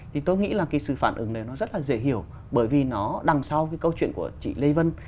thì tôi nghĩ là cái sự phản ứng đấy nó rất là dễ hiểu bởi vì nó đằng sau cái câu chuyện của chị lê vân